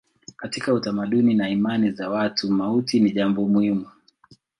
Katika utamaduni na imani za watu mauti ni jambo muhimu.